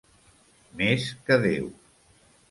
Més que Déu!